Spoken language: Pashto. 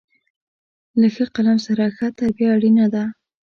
له ښه قلم سره، ښه تربیه اړینه ده.